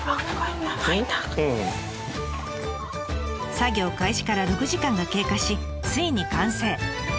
作業開始から６時間が経過しついに完成。